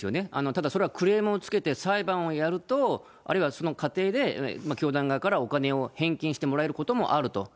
ただそれはクレームをつけて、裁判をやると、あるいは、その過程で、教団側からお金を返金してもらえることもあると。